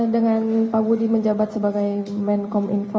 dengan pak budi menjabat sebagai menkom info